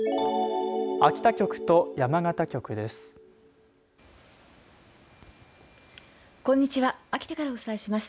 秋田局と山形局です。